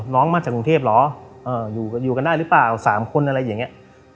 น้องมาจากกรุงเทพฯเหรอเอออยู่อยู่กันได้หรือเปล่าสามคนอะไรอย่างเงี้ย